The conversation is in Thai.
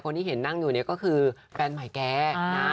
ที่เห็นนั่งอยู่เนี่ยก็คือแฟนใหม่แกนะ